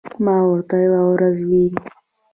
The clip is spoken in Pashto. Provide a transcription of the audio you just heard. ما ورته یوه ورځ وې ـ